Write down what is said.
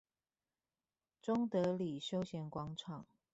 中德里休閒廣場